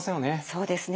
そうですね。